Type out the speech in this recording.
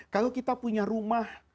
kalau kita punya rumah